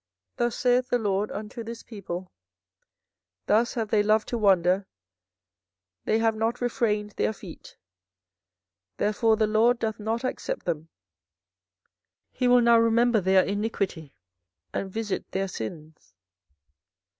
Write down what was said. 24:014:010 Thus saith the LORD unto this people, Thus have they loved to wander, they have not refrained their feet, therefore the LORD doth not accept them; he will now remember their iniquity, and visit their sins.